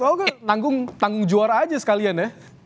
oh nanggung juara aja sekalian ya